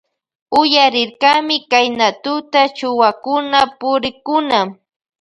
Uyarirkami Kayna tuta chuwakuna purikkuna.